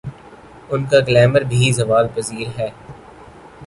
ان کا گلیمر بھی زوال پذیر ہے۔